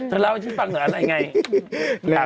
ถ้าเล่าให้ฉันฟังก็ทำอะไรไง